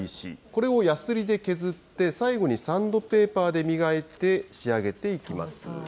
これをやすりで削って最後にサンドペーパーで磨いて、仕上げていきます。